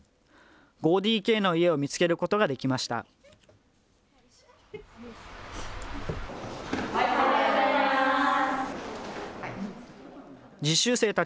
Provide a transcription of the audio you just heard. ５ＤＫの家を見つけることができました。